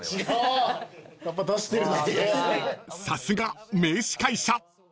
［さすが名司会者］